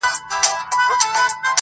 ستا په يادونو كي راتېره كړله_